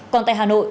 còn tại hà nội